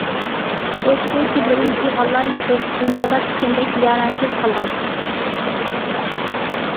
ئۆتىدۇ كۈنلىرىم پىغانلار يۇتۇپ، دۇنيادا تىكەندەك يارەنسىز قالغاچ.